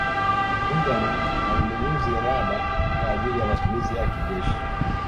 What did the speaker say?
benjamini alinunuzi rada kwa ajili ya matumizi ya kijeshi